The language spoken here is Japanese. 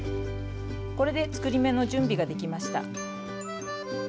これで作り目の準備ができました。